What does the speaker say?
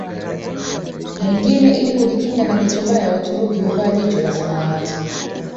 mwingine Ili kujikinga na jicho baya Waturuki huvaa jicho la samawati